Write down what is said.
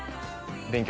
勉強